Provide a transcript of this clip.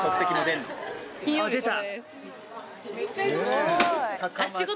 あっ出た！